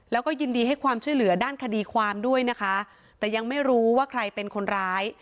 แล้วก็ยินดีให้ความช่วยเหลือด้านคดีความด้วยนะคะแต่ยังไม่รู้ว่าใครเป็นคนร้าย